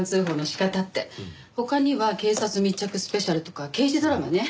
他には警察密着スペシャルとか刑事ドラマね。